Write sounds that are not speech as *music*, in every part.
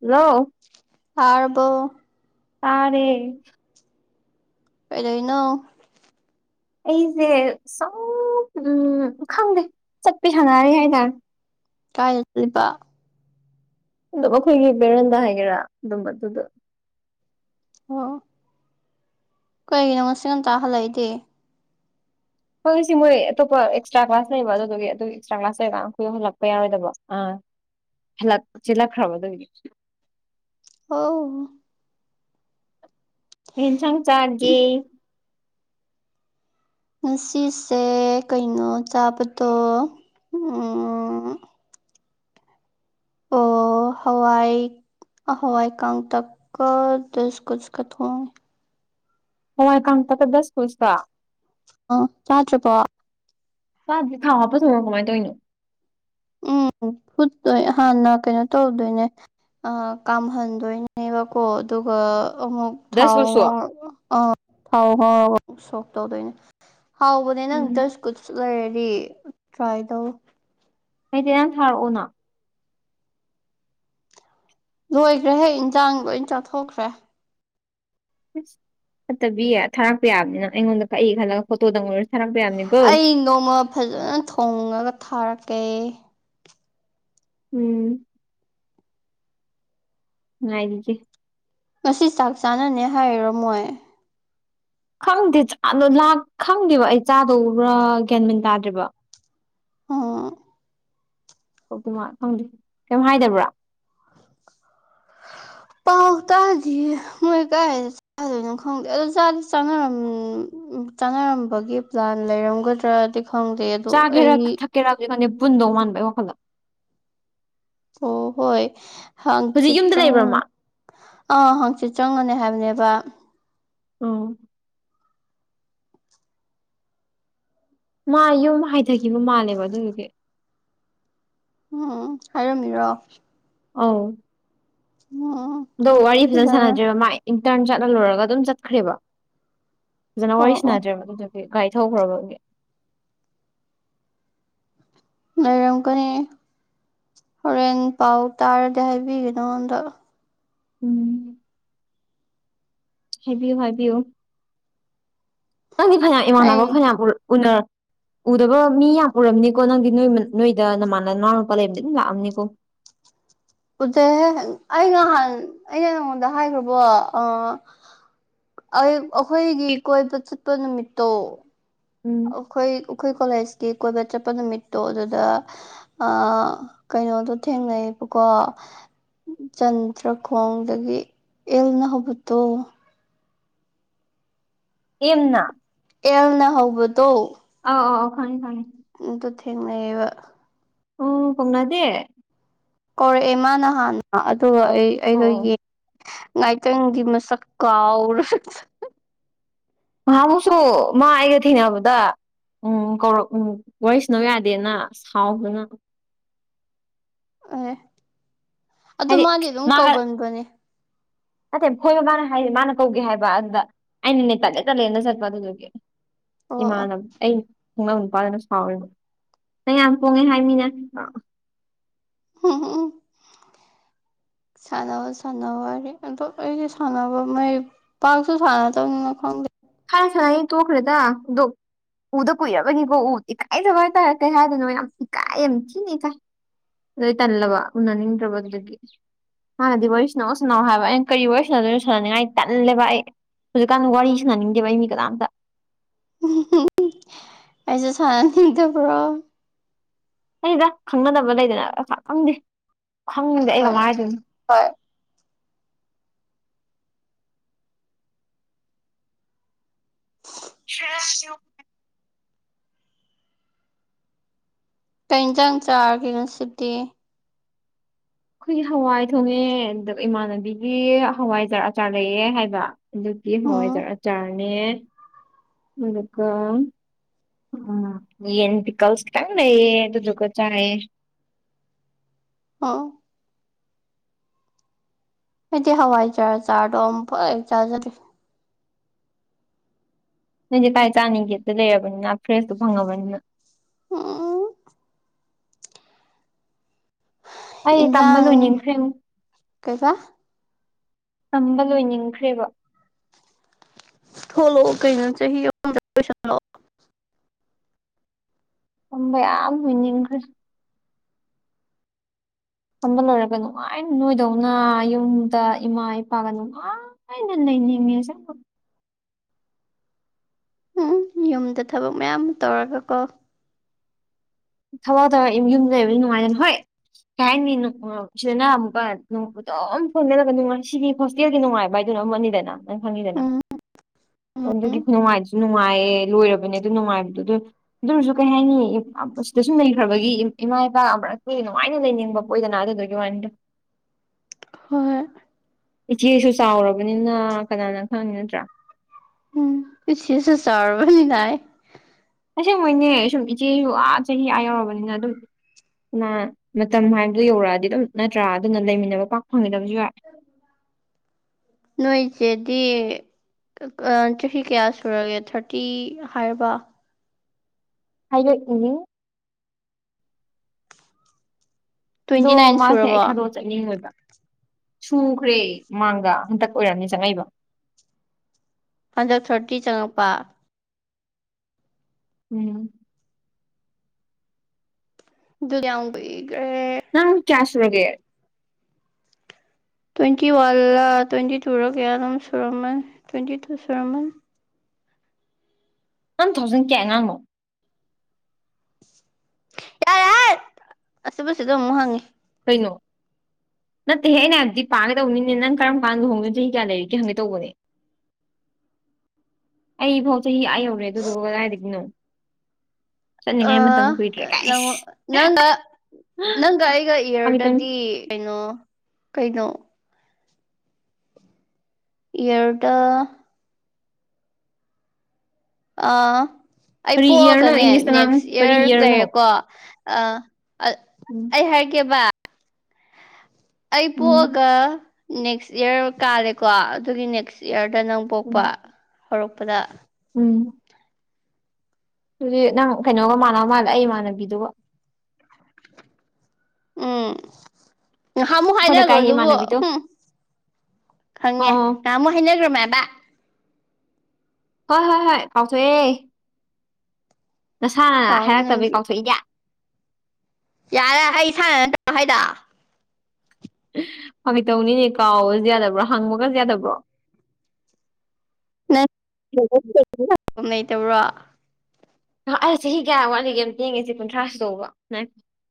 hello ꯑꯔꯕꯣ ꯇꯥꯔꯦ ꯀꯩꯗꯩꯩ ꯅꯣ ꯑꯩꯁꯦ ꯁꯨꯝ ꯎꯝ ꯈꯪꯗꯦ ꯆꯠꯄ ꯁꯥꯟꯅꯔꯦ ꯍꯥꯏꯇꯥꯔꯦ ꯀꯥꯏꯂꯤꯕ ꯑꯣ ꯑꯩꯈꯣꯏꯒꯤ ꯕꯦꯔꯟꯗ ꯍꯥꯏꯒꯦꯔꯥ ꯑꯗꯨꯝꯕ ꯑꯗꯨꯗ ꯑꯣ ꯀꯩꯒꯤꯅꯣ ꯃꯁꯤ ꯌꯥꯝ ꯇ ꯍꯜꯂꯛꯏꯗꯤ ꯍꯣꯏ ꯁꯤ ꯃꯣꯏ ꯑꯇꯣꯞꯄ ꯑꯦꯛꯁꯇ꯭ꯔꯥ ꯀ꯭ꯂꯥꯁ ꯂꯩꯕ ꯑꯗꯨꯗꯨꯒꯤ ꯑꯗꯨ ꯑꯦꯛꯁꯇ꯭ꯔꯥ ꯀ꯭ꯂꯥꯁ ꯂꯩꯔꯒ ꯑꯩꯈꯣꯏ ꯌꯧꯜꯂꯛꯄ ꯌꯥꯔꯣꯏꯗꯕ ꯑ ꯍꯂ ꯆꯤꯂꯛꯈ꯭ꯔꯕ ꯑꯗꯨꯒꯤ ꯑꯥꯎ ꯑꯦꯦꯟꯁꯥꯡ ꯆꯥꯠꯒꯦ ꯉꯁꯤꯁꯦ ꯀꯩꯅꯣ ꯆꯥꯕꯗꯣ ꯑꯣ *inaudible* ꯍꯋꯥꯏ ꯍꯋꯥꯏ ꯀꯪ ꯇꯛ ꯗꯁ ꯀꯨꯁꯀ ꯊꯣꯡꯉꯦ ꯍꯋꯥ ꯀꯥꯟ ꯇꯀꯗꯁ ꯄꯨꯁꯀ *unintelligible* ꯑ ꯄꯥꯇꯄꯣ ꯄꯁꯦ ꯊꯥꯎ ꯍꯥꯞꯄ ꯊꯣꯡꯉꯣ ꯀꯃꯥꯏꯅ ꯇꯧꯔꯤꯅꯣ ꯎꯝ ꯐꯨꯠꯇꯣꯏ ꯍꯥꯟꯅ ꯀꯩꯅꯣ ꯇꯧꯗꯣꯏꯅꯦ ꯑ ꯀꯥꯝꯍꯟꯗꯣꯏꯅꯤꯅꯦꯕꯀꯣ ꯑꯗꯨꯒ ꯑꯃꯨꯛ ꯊꯥꯎ ꯗꯁꯀꯨꯁꯁꯨ ꯑ ꯊ ꯑꯃ ꯁꯗꯣꯏꯅꯦ *unintelligible* ꯍꯥꯎꯕꯅꯦ ꯅꯪ ꯎꯝ ꯗꯁ ꯀꯨꯠ ꯂꯩꯔꯗꯤ ꯇ꯭ꯔꯥꯏ ꯇꯧ ꯑꯩꯗꯤ ꯅꯍꯥꯟ ꯊꯥꯔꯛꯑꯣꯅ ꯂꯣꯏꯈ꯭ꯔꯦ ꯍꯦꯛ ꯏꯟꯁꯥꯡ ꯂꯣꯏ ꯆꯥꯊꯣꯛꯈ꯭ꯔꯦ ꯐꯠꯇꯕꯤꯌꯦ ꯊꯥꯔꯛꯄ ꯌꯥꯕꯅꯤꯅꯪ ꯑꯩꯉꯣꯟꯗ ꯀꯛꯏ ꯈꯜꯂꯒ ꯐꯣꯇꯣꯗꯪꯉꯔꯁꯤ ꯑꯩ ꯅꯣꯡꯃ ꯐꯖꯅ ꯊꯣꯡꯉꯒ ꯊꯥꯔꯛꯀꯦ ꯎꯝ ꯉꯒꯤꯒꯦ ꯉꯁꯤ ꯆꯥꯛ ꯆꯥꯅꯅꯦ ꯍꯥꯏꯔꯝꯃꯣꯏ ꯈꯪꯗꯦ ꯆꯥ ꯈꯪꯗꯦꯕ ꯑꯩ ꯆꯥꯗꯧꯕ꯭ꯔꯥ ꯒ꯭ꯟꯃꯤꯟ ꯇꯥꯗ꯭ꯔꯤꯕ ꯑ ꯈꯪꯗꯦ ꯀꯩꯝ ꯍꯥꯏꯗꯕ꯭ꯔꯥ *unintelligible* ꯄꯥꯎ ꯇꯥꯗꯤ ꯃꯣꯏ ꯀꯥꯏꯗ ꯆꯥꯗꯣꯏꯅꯣ ꯈꯪꯗꯦ ꯑꯗꯣ ꯆꯥꯗꯤ ꯆꯥꯅꯔꯝ ꯆꯪꯅꯔꯝꯕꯒꯤ ꯄ꯭ꯂꯥꯟ ꯂꯩꯔꯝꯒꯗ꯭ꯔꯥ ꯑ ꯆꯥꯒꯦꯔꯥ ꯊꯛꯀꯦꯔꯥ ꯍꯧꯖꯤꯛ ꯄꯨꯟꯗꯧ ꯃꯥꯟꯕꯒꯤ ꯋꯥꯈꯜꯗ ꯑꯣ ꯍꯣꯏ ꯍꯪ ꯍꯧꯖꯤꯛ ꯆꯤꯠ ꯌꯨꯝꯗ ꯆꯪ ꯂꯩꯕ꯭ꯔꯥ ꯃꯥ ꯑꯥ ꯍꯪꯆꯤꯠ ꯆꯪꯒꯅꯤ ꯍꯥꯏꯕꯅꯦꯕ ꯑꯣ ꯃꯥ ꯌꯨꯝ ꯍꯥꯏꯊꯈꯤꯕ ꯃꯥꯜꯂꯦꯕ ꯑꯗꯨꯗꯨꯒꯤ ꯎꯝ ꯍꯥꯏꯔꯝꯃꯤꯔꯣ ꯑꯥꯎ ꯎꯝ ꯑꯗꯣ ꯋꯥꯔꯤ ꯐꯖꯅ ꯐꯖꯔꯦ ꯁꯥꯟꯅꯗ꯭ꯦꯔꯤꯕ ꯃꯥ ꯏꯟꯇꯔꯟ ꯆꯠꯂ ꯂꯣꯏꯨꯔꯒ ꯑꯗꯨꯝ ꯆꯠꯈ꯭ꯔꯦꯕ ꯐꯖꯅ ꯑꯣ ꯋꯥꯔꯤ ꯑꯣ ꯁꯅꯗ꯭ꯔꯦꯕ ꯑꯗꯨꯗꯒꯤ ꯒꯥꯔꯤ ꯊꯧꯈ꯭ꯔꯕꯒꯤ ꯂꯩꯔꯝ ꯀꯅꯤ ꯍꯣꯔꯦꯟ ꯄꯥꯎ ꯇꯥꯔꯗꯤ ꯍꯥꯏꯕꯤꯒꯦ ꯅꯉꯣꯟꯗ ꯎꯝ ꯍꯥꯏꯕꯤꯌꯨ ꯍꯥꯏꯕꯤꯌꯨ ꯅꯪꯗꯤ ꯐꯅꯌꯥꯝ ꯏꯃꯥꯟꯅꯕ ꯑꯩ ꯐꯅꯌꯥꯝ ꯎꯅꯔ ꯎꯗꯕ ꯃꯤ ꯌꯥꯝ ꯄꯨꯔꯝꯅꯤꯀꯣ ꯅꯪꯗꯤ ꯅꯣꯏ ꯅꯣꯏꯗ ꯅꯃꯥꯟꯅ ꯅꯋꯥꯎ ꯅꯨꯄꯥ ꯂꯩꯔꯕꯗ ꯑꯗꯨꯝ ꯂꯥꯛꯑꯝꯅꯤꯀꯣ *unintelligible* ꯎꯗꯦ ꯑꯩ ꯅꯍꯥꯟ ꯑꯩꯅ ꯅꯉꯣꯟꯗ ꯍꯥꯏꯈ꯭ꯔꯕꯣ ꯑ ꯑꯩꯈꯣꯏꯒꯤ ꯀꯣꯏꯕ ꯆꯠꯄ ꯅꯨꯃꯤꯠꯇꯣ ꯎꯝ ꯑꯩꯈꯣꯏ ꯑꯩꯈꯣꯏ ꯀꯣꯂꯦꯖꯀꯤ ꯀꯣꯏꯕ ꯆꯠꯄ ꯅꯨꯃꯤꯠꯇꯣ ꯑꯗꯨꯗ ꯀꯩꯅꯣꯗꯣ ꯊꯦꯡꯅꯩꯌꯦꯕꯀꯣ ꯀ ꯆꯟꯗ꯭ꯔ ꯈꯣꯡꯗꯒꯤ ꯏꯜꯅ ꯍꯧꯕꯠꯇꯣ ꯑꯦꯝꯅ ꯑꯦꯜꯅ ꯍꯧꯕꯗꯣ ꯑꯣ ꯈꯅꯤ ꯈꯅꯤ ꯇ ꯊꯦꯡꯅꯑ ꯑꯣ ꯀꯧꯅꯗꯦ ꯀꯧꯔꯛꯑꯦ ꯃꯥꯅ ꯍꯥꯟꯅ ꯑꯗꯨꯒ ꯑꯩ ꯑꯣ ꯑꯩꯗꯣ ꯑꯣ ꯌꯦꯉ ꯉꯥꯏꯇꯪꯒꯤ ꯃꯁꯛ ꯀꯥꯎꯔ ꯍꯥꯃꯨꯁꯨ ꯃ ꯑꯀ ꯊꯅ ꯑꯕꯨ ꯇ ꯎꯝ ꯀꯧꯔꯛ ꯎꯝ ꯋꯥꯔꯤꯁꯤꯅꯧ ꯌꯥꯗꯦꯅ ꯁꯥꯎꯕꯅ ꯑꯦ ꯑꯗꯨ ꯍꯥꯏꯗꯤ ꯃꯥꯗꯤ ꯑꯗꯨꯝ ꯃꯥꯒ ꯀꯧꯒꯟꯕꯅꯦ ꯅꯠꯇꯦ ꯐꯣꯏꯕ ꯃꯥꯅ ꯍꯥꯏꯁ ꯃꯥꯅ ꯀꯧꯒꯦ ꯍꯥꯏꯕ ꯑꯗꯨꯗ ꯑꯩꯅ ꯅꯦ ꯇꯂꯦ ꯇꯂꯦꯅ ꯆꯠꯄ ꯑꯗꯨꯗꯨꯒꯤ ꯑꯣ ꯏꯃꯅꯝ ꯑꯩ ꯈꯨꯡꯅꯥꯪ ꯅꯨꯄꯥꯗꯨꯅ ꯁꯥꯎꯔꯤꯕ ꯅꯪ ꯌꯥꯝ ꯄꯣꯡꯉꯦ ꯍꯥꯏꯅꯤꯅ ꯎꯝ ꯎꯝ *unintelligible* ꯁꯥꯟꯅꯕ ꯁꯥꯟꯅꯕ ꯋꯥꯔꯤ ꯑꯗꯨ ꯑꯩꯒꯤ ꯁꯥꯟꯅꯕ ꯃꯩ ꯄꯥꯛꯁꯨ ꯁꯥꯟꯅꯗꯕꯅꯤꯅ ꯈꯪꯗꯦ ꯈꯁ ꯇꯣꯈ꯭ꯔꯦ ꯇ ꯗ ꯎꯗ ꯀꯨꯏꯔꯕꯒꯤꯀꯣ ꯎ ꯏꯀꯥꯏꯗꯕ ꯍꯥꯏꯇꯥꯥꯔꯛ ꯀꯩ ꯍꯥꯏꯗꯣꯏꯅꯣ ꯌꯥꯝ ꯏꯀꯥꯏ ꯌꯥꯝ ꯊꯤꯅꯤ ꯀꯥꯏ ꯑꯗꯨꯩ ꯇꯜꯂꯕ ꯎꯅꯅꯤꯡꯗ꯭ꯔꯕ ꯑꯗꯨꯗꯒꯤ ꯍꯥꯟꯅꯗꯤ ꯋꯥꯔꯤꯁꯤꯅꯎ ꯁꯤꯅꯎ ꯍꯥꯏꯕ ꯑꯩꯅ ꯀꯔꯤ ꯋꯥꯔꯤꯁꯤꯅꯣꯗꯣꯏꯅꯣ ꯁꯥꯟꯅꯅꯤꯡꯉꯥꯏ ꯇꯜꯂꯦꯕ ꯑꯩ ꯍꯧꯖꯤꯛꯀꯥꯟ ꯋꯥꯔꯤꯁꯤꯅꯅꯤꯡꯗꯦꯕꯒꯤ ꯃꯤ ꯀꯗꯥꯝꯇ ꯍꯥꯏꯁ ꯁꯥꯟꯗ ꯄꯨ꯭ꯔꯣ ꯀꯗ ꯈꯪꯅꯗꯅꯕ ꯂꯩꯗꯅ ꯄꯩꯁꯥ ꯈꯪꯗꯦ ꯈꯪꯗꯦ ꯑꯩ ꯍꯣꯏ ꯀꯃꯥꯏ ꯍꯥꯏꯗꯣꯏꯅꯣ ꯍꯣꯏ ꯁꯁ ꯌ ꯀ ꯏꯟꯁꯥꯡ ꯆꯥꯒꯦꯅꯣ ꯁꯤꯗꯤ ꯑꯩꯈꯣꯏꯒꯤ ꯍꯋꯥꯏ ꯊꯣꯡꯉꯦ ꯑ ꯏꯃꯥꯟꯅꯕꯤꯒꯤ ꯍꯋꯥꯏꯖ ꯑꯆꯥꯔ ꯂꯩꯑꯦ ꯍꯥꯏꯕ ꯑꯗꯨꯒꯤ ꯍꯣꯏ ꯎꯝ ꯆꯥꯔꯅꯦ ꯑꯗꯨꯒ ꯎꯝ ꯌꯦꯟꯗꯤꯤ ꯀꯜꯁ ꯀꯥꯏ ꯇꯗꯨꯒ ꯆꯥ *unintelligible* ꯑꯥ ꯍꯥꯏꯗꯤ ꯍꯋꯥꯏꯖꯥ ꯆꯥꯔꯗꯣ ꯑꯃꯨꯛ ꯆꯥꯖꯗ ꯅꯣꯏꯗꯤꯦ ꯀꯥꯏ ꯆꯥꯅꯤꯡꯒꯦꯇ ꯂꯩꯔꯕꯅꯤꯅ ꯐ꯭ꯔꯦꯁꯇꯣ ꯐꯪꯉꯕꯅꯤꯅ ꯎꯝ ꯑꯩ ꯇꯝꯕ ꯏꯟꯖꯥꯡ ꯂꯣꯏ ꯅꯤꯡꯁꯨ ꯀꯩꯕ ꯇꯝꯕ ꯂꯣꯏꯅꯤꯡꯈ꯭ꯔꯦꯕ ꯣꯂꯣ ꯀꯩꯅꯅ ꯆ ꯍ ꯂ *unintelligible* ꯈꯝꯕ ꯂꯣꯏꯔꯒ ꯅꯨꯡꯉꯥꯏꯅ ꯅꯣꯏꯗꯧꯅ ꯌꯨꯝꯗ ꯏꯃꯥ ꯏꯄꯥꯒ ꯅꯨꯡꯉꯥꯏꯅ ꯌꯁ ꯎꯝ ꯌꯨꯝꯗ ꯊꯕꯛ ꯃꯌꯥꯝ ꯑꯃ ꯇꯧꯔꯒꯀꯣ ꯊꯕꯛ ꯊ ꯌꯨꯝꯗ ꯂꯩꯕꯗꯤ ꯅꯨꯡꯉꯥꯏꯗꯅ ꯍꯣꯏ ꯀꯩ ꯍꯥꯏꯅꯤ ꯁꯤꯗꯅ ꯑꯃꯨꯛꯀ ꯅꯣꯡꯇꯣꯝ ꯐꯣꯟꯅꯜꯂꯒ ꯅꯨꯡꯉꯥꯏ ꯁꯤꯗꯤ ꯍꯣꯁꯇꯦꯜꯒꯤ ꯅꯨꯡꯉꯥꯏ ꯕ ꯍꯥꯏꯗ ꯅꯤꯗꯅ ꯅꯪ ꯈꯪꯉꯤꯗꯅ ꯎꯝ ꯎꯝ ꯑꯗꯨꯒꯤ ꯅꯨꯡꯉꯥꯏꯁꯨ ꯅꯨꯡꯉꯥꯏꯌꯦ ꯂꯣꯏꯔꯕꯅꯦ ꯑꯗꯨ ꯅꯨꯡꯉꯥꯏꯕꯗꯣ ꯑꯗꯨ ꯑꯗꯨ ꯑꯣꯏꯔꯁꯨ ꯀꯩ ꯍꯥꯏꯅꯤ ꯀ ꯁꯨꯝ ꯂꯩꯈ꯭ꯔꯕꯒꯤ ꯏꯃꯥ ꯏꯄꯥ ꯑꯃꯛꯇꯨꯗꯤ ꯅꯨꯡꯉꯥꯏꯅ ꯂꯩꯅꯤꯡꯕ ꯄ ꯑꯣꯏꯗꯅ ꯑꯗꯨꯗꯨꯒꯤ ꯋꯥꯅꯤꯗꯣ *unintelligible* ꯍꯣꯏ ꯏꯆꯦꯁꯨ ꯆꯥꯎꯔꯕꯅꯤꯅ ꯀꯅꯥꯅ ꯈꯪꯤ ꯅꯠꯇ꯭ꯔꯥ ꯎꯝ ꯄꯁꯤꯁ ꯆꯔꯕ ꯅꯥꯏ ꯇꯁꯦꯡ ꯃꯣꯏꯅꯦ ꯁꯨꯝ ꯏꯆꯦꯁꯨ ꯑꯥ ꯆꯍꯤ ꯑꯥ ꯌꯧꯔꯕꯅꯤꯅ ꯑꯗꯨꯝ ꯃꯇꯝ ꯍꯥꯏꯕꯗꯨꯣ ꯌꯧꯔꯛꯑꯗꯤ ꯑꯗꯨꯝ ꯅꯠꯇ꯭ꯔꯥ ꯑꯗꯨꯅ ꯂꯩꯃꯤꯟꯅꯕ ꯄꯥꯛ ꯐꯪꯉꯕ ꯅꯣꯏ ꯆꯦꯗꯤ ꯆꯍꯤ ꯀꯌꯥ ꯁꯨꯔꯒꯦ ꯊꯥꯔꯇꯤ ꯍꯥꯏꯔꯕ ꯍꯥꯏꯂꯣ ꯏ ꯑꯗꯣ ꯇ꯭ꯋꯦꯟꯇꯤ ꯅꯥꯏꯟ ꯃꯥꯁꯦ ꯑꯩ ꯁꯨꯔꯕꯣ ꯊꯥꯗꯣꯛꯑ ꯆꯠꯅꯤꯡꯉꯣꯏꯕ ꯁꯨꯈ꯭ꯔꯦ ꯃꯥꯡꯗ ꯍꯟꯇꯛ ꯑꯣꯏꯔꯝꯅꯤ ꯆꯪꯉꯛꯏꯕ ꯍꯟꯗꯛ ꯊꯥꯔꯇꯤ ꯆꯪꯉꯛꯄ ꯎꯝ ꯔꯌꯥꯎꯕꯩ ꯅ ꯀꯌꯥꯁꯂꯒꯦ ꯇ꯭ꯋꯦꯟꯇꯤ ꯋꯥꯟꯂ ꯇ꯭ꯋꯦꯟꯇꯤ ꯇ ꯂ ꯀ ꯁꯨꯔꯃꯟ꯭ꯋꯦꯟꯇꯤꯨ ꯁꯨꯔꯃꯟ ꯋꯥꯟ ꯊꯥꯎꯖꯟ ꯀꯌꯥ ꯑꯉꯥꯡꯅꯣ ꯌꯥꯔ ꯌꯥꯔ ꯑꯁꯤꯕꯁꯤꯗ ꯑꯃꯨꯛ ꯍꯪꯉꯤ ꯅꯣ ꯅꯠꯇꯦꯍꯦꯩꯅ ꯍꯥꯏꯕꯗꯤ ꯄꯥꯒꯗꯧꯕꯅꯤꯅꯦ ꯅꯪ ꯀꯔꯝ ꯀꯥꯟꯗꯨꯍꯣꯡꯒꯦ ꯆꯍꯤ ꯀꯌꯥ ꯂꯩꯔꯤꯒꯦ ꯈꯪꯒꯦ ꯇꯧꯕꯅꯦ ꯑꯩ ꯐꯥꯎ ꯆꯍꯤ ꯑ ꯌꯧꯔꯦ ꯑꯗꯨꯗꯨꯒ ꯀꯗꯥꯏꯗꯒꯤꯅꯣ ꯑ ꯆꯠꯅꯤꯡꯉꯥꯏ ꯃꯇꯝ ꯀꯨꯏꯗ꯭ꯔꯦ ꯅ ꯀꯥꯏꯁ ꯅꯪ ꯅꯪ ꯑꯩꯒ ꯐꯥꯒꯤ ꯇꯧꯅꯤ ꯏꯌꯔꯗꯗꯤ ꯀꯩꯅꯣ ꯀꯩꯅꯣ ꯌꯦꯔꯗ ꯑꯥ ꯑꯩ ꯀꯔꯤ ꯏꯌꯥꯔꯅꯣ ꯄꯣꯛꯑꯒꯅꯦ ꯏꯪꯂꯤꯁꯇ ꯉꯥꯡꯉꯨ ꯅꯦꯛꯁ ꯀꯔꯤ ꯏꯌꯥꯔ ꯏꯌꯥꯔꯅꯣ ꯂꯩꯔꯦꯀꯣ ꯑꯥ ꯎꯝ ꯑꯩ ꯍꯥꯏꯔꯒꯦꯕ ꯑꯩ ꯎꯝ ꯄꯣꯛꯑꯒ ꯅꯦꯛꯁ ꯏꯔ ꯀꯥꯜꯂꯦꯀꯣ ꯑꯗꯨꯒꯤ ꯅꯦꯛꯁ ꯏꯌꯥꯔ ꯗ ꯅꯪ ꯎꯝ ꯄꯣꯛꯄ ꯍꯧꯔꯛꯄꯗ ꯎꯝ ꯑꯗꯨꯗꯤ ꯅꯪ ꯀꯩꯅꯣꯒ ꯃꯥꯟꯅꯕ ꯃꯥꯜꯂ ꯑꯩꯃꯥꯟꯅꯕꯤꯗꯨꯒ ꯎꯝ ꯉꯥꯏꯍꯥꯛꯃꯨꯛ ꯑꯩꯈꯣꯏ ꯍꯥꯏꯅꯈ꯭ꯔꯣ ꯂꯩꯀꯥꯏꯒꯤ ꯑꯗꯨꯕꯨ ꯏꯃꯥꯟꯅꯕꯤꯗꯣ ꯎꯝ ꯑꯣ ꯈꯪꯉꯦ ꯑꯣ ꯉꯥꯏꯍꯥꯛ ꯑꯃꯨꯛ ꯍꯥꯏꯅꯈ꯭ꯔ ꯃꯕ ꯍꯣꯏ ꯍꯣꯏ ꯍꯣꯏ ꯀꯥꯎꯁꯨ ꯑꯦꯦ ꯅꯁꯥꯅ ꯀꯥꯎꯅꯤ ꯍꯥꯏꯔꯛꯇꯕꯩ ꯅꯪꯗꯤ ꯀꯥꯎꯊꯣꯛꯏꯒꯦ ꯌꯥꯔꯦ ꯑꯩ ꯁꯥꯟꯅ ꯇ ꯍꯥꯏꯗ ꯐꯪꯒꯦꯇꯧꯅꯤꯅꯦ ꯀꯥꯎꯕꯁꯨ ꯌꯥꯗꯕ꯭ꯔꯣ ꯍꯪꯕꯒꯁꯨ ꯌꯥꯗꯕ꯭ꯔꯣ ꯅꯪ ꯂꯩꯇꯕ꯭ꯔꯣ ꯑꯩ ꯆꯍꯤ ꯀꯌꯥ ꯋꯥꯠꯂꯤꯒꯦ ꯑꯃꯇꯦꯡꯉꯦꯁꯤ ꯀꯨꯟꯊ꯭ꯔꯥꯁꯨ ꯇꯧꯕ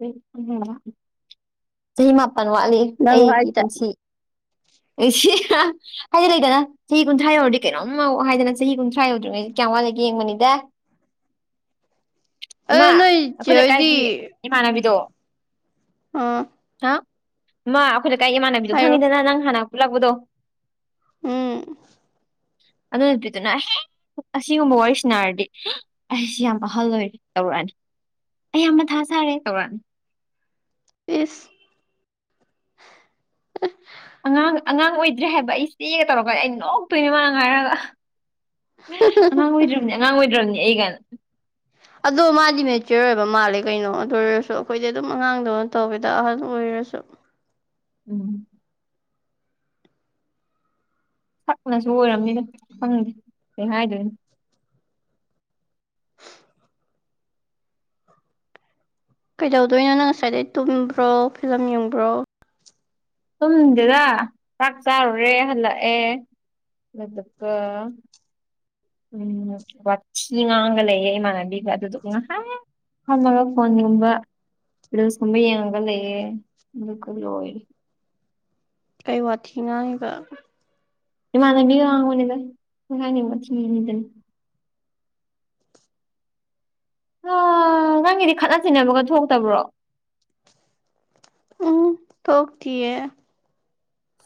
ꯎ ꯆꯍꯤ ꯃꯥꯄꯜ ꯋꯥꯠꯂꯤ ꯅꯪ ꯑꯩꯒꯤ ꯍꯥꯏꯁꯦ ꯄꯨꯟꯁꯤ ꯑꯩꯁꯤ ꯍꯥꯏꯗꯤ ꯂꯩꯗꯅ ꯆꯍꯤ ꯀꯨꯟꯊ꯭ꯔꯥ ꯌꯧꯔꯗꯤ ꯀꯩꯅꯣꯝꯃꯧꯑꯣ ꯍꯥꯏꯗꯅ ꯆꯍꯤ ꯀꯨꯟꯊ꯭ꯔꯥ ꯌꯧꯗ꯭ꯔꯤꯉꯩꯁꯤꯦ ꯀꯃ ꯂꯩꯗꯒꯤ ꯌꯦꯡ ꯃꯅꯤꯗ ꯑꯗꯣ ꯑꯃ ꯅꯣꯏ ꯆꯦ ꯑꯩꯈꯣꯏ ꯍꯣꯏꯗꯤ ꯂꯩꯀꯥꯏꯒꯤ ꯏꯃꯥꯟꯅꯕꯤꯗꯣ ꯑꯥ ꯍꯥ ꯃꯥ ꯑꯩꯈꯣꯏ ꯂꯩꯀꯥꯏ ꯏꯃꯥꯟꯅꯕꯤꯗꯣ ꯍꯥꯏꯔꯣ ꯈꯪꯉꯤꯗꯅ ꯅꯪ ꯍꯥꯟꯅ ꯄꯨꯜꯂꯛꯄꯗꯣ ꯎꯝ ꯑꯗꯨ ꯅꯨꯄꯤꯗꯨꯅ ꯑꯩ ꯑꯁꯤꯒꯨꯝꯕ ꯋꯥꯔꯤꯁꯤꯅꯔꯗꯤ ꯑꯩꯁꯤ ꯌꯥꯝ ꯑꯍꯜ ꯑꯣꯏꯔꯦ ꯇꯧꯔꯛꯑꯅꯤ ꯑꯩꯌꯥꯝꯅ ꯊꯥ ꯁꯥꯔꯦ ꯇꯧꯔꯛꯑꯅꯤ ꯏꯁꯤꯁ ꯑꯉꯥꯡ ꯑꯉꯥꯡ ꯑꯣꯏꯗ꯭ꯔꯦ ꯍꯥꯏꯕ ꯑꯩ ꯆꯦ ꯇꯧꯔꯛꯀꯗꯤ ꯑꯩ ꯅꯣꯛꯇꯣꯏꯅꯦ ꯃꯥ ꯉꯥꯏꯔꯒ ꯑꯉꯥꯡ ꯑꯣꯏꯗ꯭ꯔꯕꯅꯤ ꯑꯉꯥꯡ ꯑꯣꯏꯗ꯭ꯔꯕꯅꯤ ꯑꯩꯒꯅ ꯑꯗꯣ ꯃꯥꯗꯤ ꯃꯦꯆꯣꯔ ꯑꯣꯏꯕ ꯃꯥꯜꯂꯦ ꯀꯩꯅꯣ ꯑꯗꯨ ꯑꯣꯏꯔꯁꯨ ꯑꯩꯈꯣꯏꯗꯤ ꯑꯗꯨꯝ ꯑꯉꯥꯡꯗꯧꯅ ꯇꯧꯒꯦꯗ ꯑꯍꯟ ꯑꯣꯏꯔ ꯀꯁꯨ ꯎꯝ ꯁꯛꯅꯁꯨ ꯑꯣꯏꯔꯕꯝꯅꯤꯅ ꯈꯪꯗꯦ ꯀꯩ ꯍꯥꯏꯗꯣꯏꯅꯣ ꯀꯩꯗꯧꯗꯣꯏꯅꯣ ꯅꯪ ꯉꯁꯥꯏꯗꯩ ꯇꯨꯝꯕ꯭ꯔꯣ ꯐꯤꯂꯝ ꯌꯦꯡꯕ꯭ꯔꯣ ꯁꯨꯝꯗꯨꯗ ꯆꯥꯛ ꯆꯥꯔꯨꯔꯦ ꯍꯜꯂꯛꯑꯦ ꯃꯗꯨꯀ ꯎꯝ ꯋꯥꯆꯉꯒꯑꯦ ꯃꯥꯅꯕꯤꯒ ꯑꯗꯨ ꯍꯔ ꯐꯣꯟ ꯅꯝꯕꯔ ꯁꯃ ꯌꯦꯒ ꯂꯩꯑꯦ ꯀꯩ ꯋꯥ ꯊꯅ ꯏꯃꯥꯅꯕꯤ ꯋꯥꯡꯒꯅꯤꯗꯥꯏꯗꯅ ꯑ ꯅꯪꯒꯤꯗꯤ ꯈꯠꯅ ꯆꯩꯤꯅꯕꯒ ꯊꯣꯛꯇꯕ꯭ꯔꯣ ꯎꯝ ꯊꯣꯛꯣꯛ ꯊꯤꯦ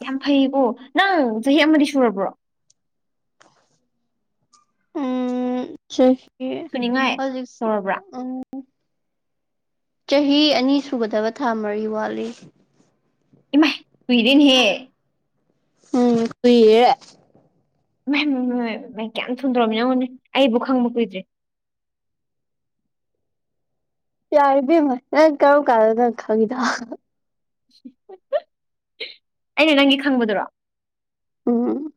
ꯌꯥꯝ ꯐꯩꯌꯦꯀꯣ ꯅꯪ ꯆꯍꯤ ꯑꯃꯗꯤ ꯁꯨꯔꯕ꯭ꯔꯣ ꯎꯝ ꯆꯍꯤ ꯁꯨꯅꯤꯡꯉꯥꯏ ꯍꯧꯖꯤ ꯇꯧꯔꯕ꯭ꯔꯥ ꯎꯝ ꯆꯍꯤ ꯑꯅꯤ ꯁꯨꯒꯗꯕ ꯊꯥ ꯃꯔꯤ ꯋꯥꯠꯂꯤ ꯏꯃꯥꯏ ꯀꯨꯏꯔꯦꯅꯍꯦ ꯎꯝ ꯀꯨꯏꯔꯦ ꯏꯃꯥꯏ ꯃꯥꯏ ꯃꯥꯏ ꯀꯌꯥꯝ ꯊꯨꯅ ꯇꯧꯔꯝꯃꯤꯅꫭ ꯌꯦꯡꯉꯨꯅꯦ ꯑꯩꯕꯧ ꯈꯪꯕ ꯀꯨꯏꯗ꯭ꯔꯤ ꯌꯥꯔꯦ ꯕꯦꯝꯃ ꯅꯪ ꯀꯔꯝ ꯀꯥꯟꯗꯅꫭ ꯅꯪ ꯈꯪꯉꯤꯗꫭ ꯍꯥ ꯑꯩꯅ ꯅꯪꯒꯤ ꯈꯪꯕꯗꯨꯔꯣ ꯎꯝ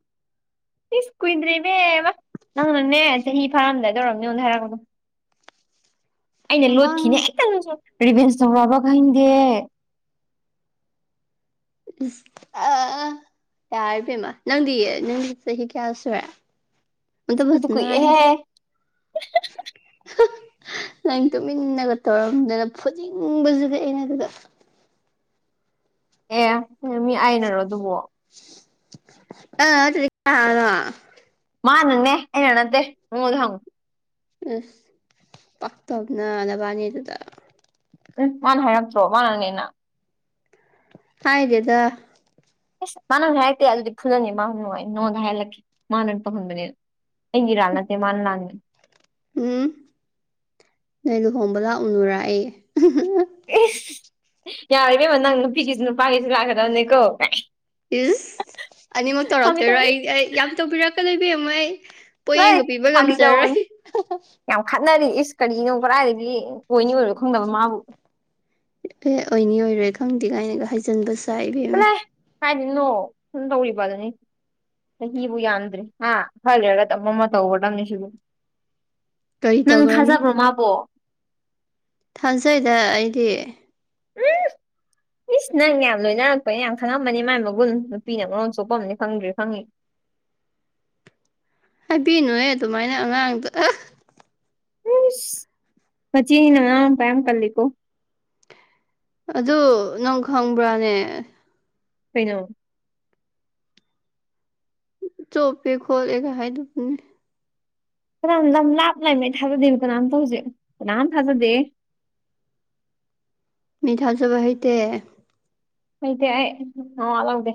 ꯏꯁ ꯀꯨꯣꯏꯗ꯭ꯔꯦꯅꯦꯕ ꯅꯪꯅꯅꯦ ꯆꯍꯤ ꯐꯥꯔꯝꯗꯥꯏꯗ ꯑꫭꯏꯔꯝꯒꯅꯤ ꯑꯩꯉꫭꯟꯗ ꯍꯥꯏꯔꯛꯄꯗꯨ ꯑꯩꯅ ꯂꯣꯠꯈꯤꯅꯦ ꯃꯃꯥꯡ ꯍꯦꯛꯇ ꯅꯪꯁꯨ ꯔꯤꯚꯦꯟꯁ ꯇꯧꯔꯛꯑꯕ ꯈꯪꯗꯦ ꯑꯥ ꯌꯥꯔꯦꯕꯦꯝꯃ ꯅꯪꯗꯤ ꯅꯪꯗꯤ ꯆꯍꯤ ꯀꯌꯥ ꯁꯨꯔꯦ ꯑꯗꯨ ꯆꯠꯄꯗꯤ ꯐꯖꯅ ꯍꯥꯏꯌꯨ ꯀꯨꯏꯔꯦꯍꯦ ꯅꯪ ꯇꯨꯃꯤꯟꯅꯒ ꯇꯧꯔꯝꯗꯅ ꯐꯨꯅꯤꯡꯕꯁꯤꯗꯤ ꯑꯩꯅ ꯑꯗꯨꯗ ꯑꯦ ꯃꯤ ꯑꯥꯏꯅꯔꯣ ꯑꯗꯨꯕꯣ ꯑ ꯗꯨꯗꯤ ꯀꯅꯥꯅꯅꫭ ꯃꯥꯅꯟꯅꯅꯦ ꯑꯩꯅ ꯅꯠꯇꯦ ꯃꯉꫭꯟꯗ ꯍꯪꯉꯨ ꯑꯁ ꯄꯛꯇꯕꯅ ꯅꯗꯕꯥꯅꯤ ꯗꯨꯗ ꯃꯥꯅ ꯍꯥꯏꯔꯛꯇ꯭ꯔꯣ ꯃꯥꯅꯅꯦꯅ ꯍꯥꯏꯗꯦꯗ ꯑꯁ ꯃꯥꯅ ꯍꯥꯏꯔꯛꯛꯇꯦ ꯑꯗꯨꯗꯤ ꯐꯨꯖꯟꯒꯦ ꯃꯥ ꯑꯃꯨꯛ ꯅꯨꯡꯉꯥꯏ ꯅꯉꫭꯟꯗ ꯍꯥꯏꯍꯜꯂꯛꯀꯦ ꯃꯥꯅꯅ ꯇꯧꯍꯟꯕꯅꯤꯅ ꯑꯩꯒꯤ ꯏꯔꯥꯜ ꯅꯠꯇꯦ ꯃꯥꯅ ꯂꯥꯟꯕꯅꯤ ꯎꯝ ꯅꯣꯏ ꯂꯨꯍꯣꯡꯕ ꯂꯥꯛꯎꯅꯨꯔꯥ ꯑꯩ ꯏꯁ ꯌꯥꯔꯤꯕꯦꯝꯃ ꯅꯪ ꯅꯨꯄꯤꯒꯤꯁꯨ ꯅꯨꯄꯥꯒꯤꯁꯨ ꯂꯥꯛꯀꯗꯕꯅꯤꯀꯣ ꯏꯁ ꯑꯅꯤꯃꯛ ꯐꯥꯒꯤ ꯇꯧꯔꯛꯇꯣꯏꯔꯣ ꯇꯧꯕꯅꯤ ꯑꯩ ꯌꯥꯝ ꯇꯧꯕꯤꯔꯛꯀꯅꯨ ꯏꯕꯦꯝꯃ ꯑꯩ ꯂꯩ ꯄꯣꯠꯌꯦꯡꯒ ꯄꯤꯕ ꯉꯝꯖꯔꯣꯏ ꯅꯪꯗꯤ ꯏꯁ ꯀꯔꯤꯅꯣ ꯀꯗꯥꯥꯏꯗꯒꯤ ꯑꫭꯏꯅꯤ ꯑꯣꯏꯔꫭꯏ ꯈꯪꯗꯕ ꯃꯥꯕꯨ ꯑꯦ ꯑꯣꯏꯅꯤ ꯑꯣꯏꯔꯣꯏ ꯈꯪꯗꯦ ꯀꯥꯏꯅꯒ ꯍꯥꯏꯖꯤꯟꯕ ꯁꯥꯥꯏ ꯏꯕꯦꯝꯃ ꯍꯥꯏꯗꯤꯅꯣ ꯁꯨꯝ ꯇꯧꯔꯤꯕ ꯑꯗꯨꯅꯤ ꯆꯍꯤꯕꯨ ꯌꯥꯝꯗ꯭ꯔꯦ ꯍꯥ ꯈꯔ ꯂꯩꯔꯒ ꯗꯝ ꯑꯃ ꯇꯧꯒ꯭ꯔꯗꯕ ꯃꯤ ꯁꯤꯕꯨ ꯀꯔꯤ ꯅꯪ ꯊꯥꯖꯕ꯭ꯔꯣ ꯃꯥꯕꯣ ꯊꯥꯡꯖꯩꯗ ꯑꯩꯗꯤ ꯎꯝ ꯏꯁ ꯅꯪ ꯌꯥꯝ ꯂꯣꯏꯅꯔꯛꯄꯅꯤ ꯌꯥꯝ ꯈꯪꯉꯃꯅꯤ ꯃꯥꯏ ꯃꯒꯨꯟ ꯅꯨꯄꯤꯅ ꯃꯔꯣꯟ ꯆꫭꯞꯄꯝꯅꯤ ꯈꯪꯗ꯭ꯔꯤ ꯈꯪꯉꯤ *inaudible* ꯍꯥꯏꯕꯤꯅꯨꯍꯦ ꯑꯗꯨꯃꯥꯏꯅ ꯑꯉꯥꯡꯗ ꯏꯁ ꯃꯆꯦꯅꯤꯅ ꯃꯅꯥꯎ ꯅꯨꯄꯥ ꯌꯥꯝ ꯀꯜꯂꯤꯀꯣ ꯑꯗꯨ ꯅꯪ ꯈꯪꯕ꯭ꯔꯥꯅꯦ ꯀꯩꯅꯣ ꯆꯣꯄꯦ ꯈꯣꯠꯂꯦꯒ ꯍꯥꯏꯗꯨꯕꯨ ꯀꯅꯥꯝ ꯂꯝ ꯂꯥꯞꯅ ꯂꯩꯝ ꯊꯥꯖꯗꯦꯕ ꯀꯅꯥꯝꯇ ꯍꯧꯖꯤꯛ ꯀꯅꯥꯝ ꯊꯥꯖꯗꯦ *inaudible* ꯃꯤ ꯊꯥꯖꯕ ꯍꯩꯇꯦ ꯑꯗꯤ ꯑꯩ ꯅꯋꯥ ꯂꯧꯗꯦ